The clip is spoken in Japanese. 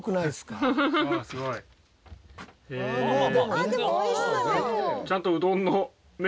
あっでも美味しそう！